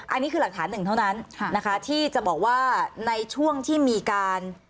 อันนี้คือหลักฐานหนึ่งเท่านั้นนะคะที่จะบอกว่าในช่วงที่มีการ